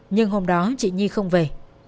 nhưng hôm đó chị nhi không về